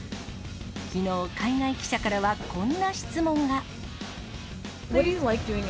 きのう、海外記者からはこんな質問が。